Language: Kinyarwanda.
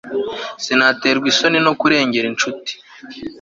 sinaterwa isoni no kurengera incuti